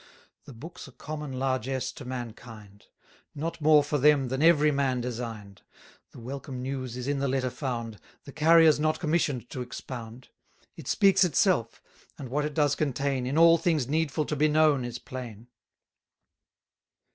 The Book's a common largess to mankind; Not more for them than every man design'd: The welcome news is in the letter found; The carrier's not commissioned to expound; It speaks itself, and what it does contain In all things needful to be known is plain.